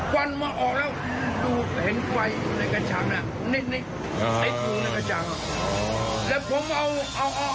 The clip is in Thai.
ฟันมาออกแล้วดูเห็นไฟในกระจ่างนี้นิดติดดูในกระจ่าง